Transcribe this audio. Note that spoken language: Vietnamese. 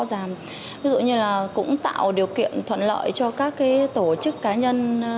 ví dụ như tạo điều kiện thuận lợi cho các tổ chức cá nhân